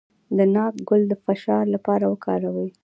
د ناک ګل د فشار لپاره وکاروئ